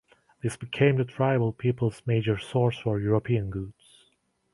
This became the tribal people's major source for European goods.